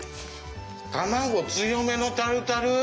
卵強めのタルタル！